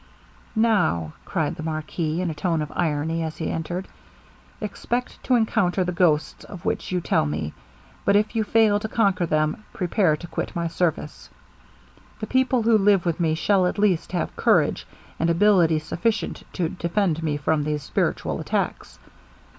'Now,' cried the marquis, in a tone of irony as he entered, 'expect to encounter the ghosts of which you tell me; but if you fail to conquer them, prepare to quit my service. The people who live with me shall at least have courage and ability sufficient to defend me from these spiritual attacks.